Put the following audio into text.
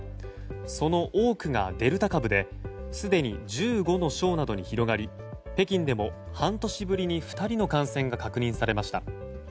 その多くがデルタ株ですでに１５の省などに広がり北京でも半年ぶりに２人の感染が確認されました。